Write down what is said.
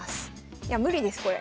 いや無理ですこれ。